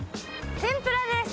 天ぷらです！